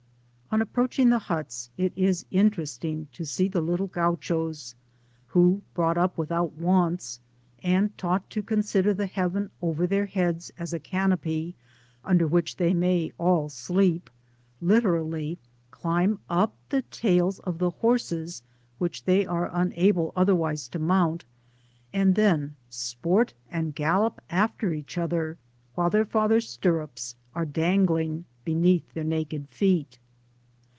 On approaching the huts, it is interesting to see the little Gauchos, who, brought up without wants, and taught to consider the heaven over their heads as a canopy under which they may all sleep, lite rally climb up the tails of the horses which they are unable otherwise to mount, and then sport and gal lop after each other, while their father^s stirrups are dangling below their naked feet.